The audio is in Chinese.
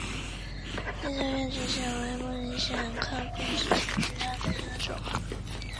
绿色变齿藓为木灵藓科变齿藓属下的一个种。